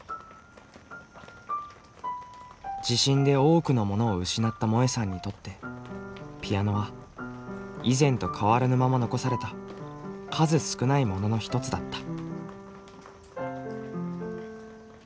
地震で多くのものを失ったもえさんにとってピアノは以前と変わらぬまま残された数少ないものの一つだった。